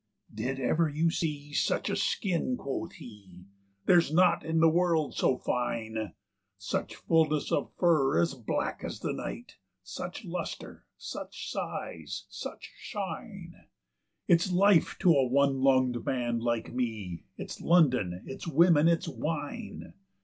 "Did ever you see such a skin?" quoth he; "there's nought in the world so fine Such fullness of fur as black as the night, such lustre, such size, such shine; It's life to a one lunged man like me; it's London, it's women, it's wine.